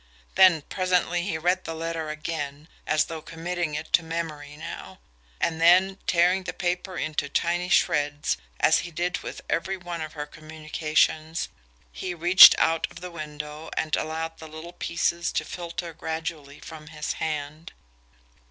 Then, presently, he read the letter again, as though committing it to memory now; and then, tearing the paper into tiny shreds, as he did with every one of her communications, he reached out of the window and allowed the little pieces to filter gradually from his hand.